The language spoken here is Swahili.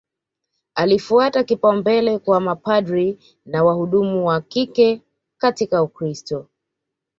Alifuta kipaumbele kwa mapadri na wahudumu wa kike katika Ukristo